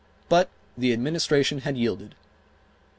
But the Administration had yielded.